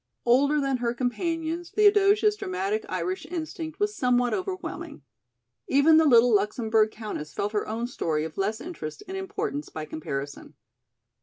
Older than her companions, Theodosia's dramatic Irish instinct was somewhat overwhelming. Even the little Luxemburg countess felt her own story of less interest and importance by comparison.